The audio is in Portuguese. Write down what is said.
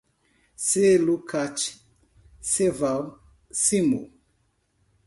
Celucat, Ceval, Cimo